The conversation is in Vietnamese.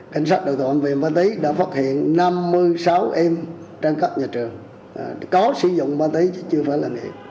cảnh sát đội tổng viên ma túy đã phát hiện năm mươi sáu em trang khách nhà trường có sử dụng ma túy chứ chưa phải là nghiệp